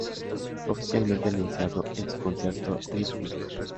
Fue oficialmente anunciado en su concierto live Disco!